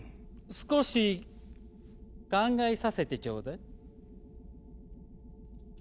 少し考えさせてちょうだい。